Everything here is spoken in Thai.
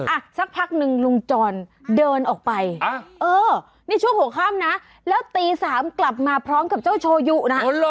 อ่ะสักพักนึงลุงจรเดินออกไปเออนี่ช่วงหัวข้ามนะแล้วตีสามกลับมาพร้อมกับเจ้าโชยุนะ